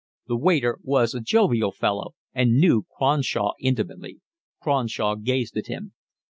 The waiter was a jovial fellow and knew Cronshaw intimately. Cronshaw gazed at him.